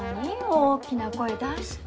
大きな声出して。